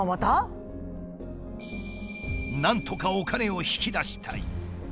なんとかお金を引き出したい。